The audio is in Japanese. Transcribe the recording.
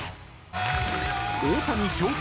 ［大谷翔平